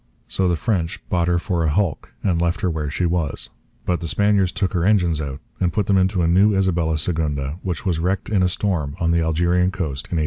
So the French bought her for a hulk and left her where she was. But the Spaniards took her engines out and put them into a new Isabella Segunda, which was wrecked in a storm on the Algerian coast in 1860.